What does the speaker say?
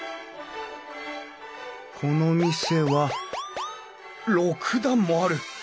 この店は６段もある！